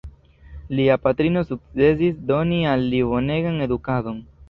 Lia patrino sukcesis doni al li bonegan edukadon.